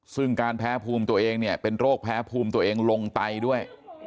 ซึ่งการแพ้ภูมิตัวเองเนี่ยเป็นโรคแพ้ภูมิตัวเองลงไตด้วย